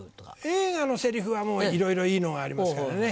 映画のセリフはもういろいろいいのがありますからね。